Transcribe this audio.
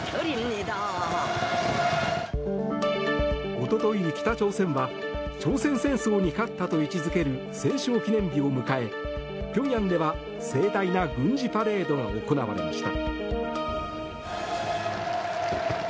おととい、北朝鮮は朝鮮戦争に勝ったと位置付ける戦勝記念日を迎え平壌では盛大な軍事パレードが行われました。